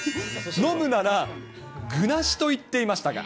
飲むなら具なしと言っていましたが。